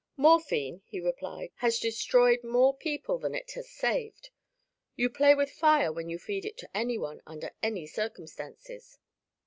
"Morphine," he replied, "has destroyed more people than it has saved. You play with fire when you feed it to anyone, under any circumstances.